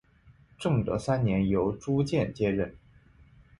正德三年由朱鉴接任。